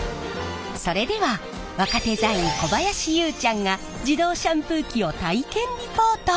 それでは若手座員小林ゆうちゃんが自動シャンプー機を体験リポート！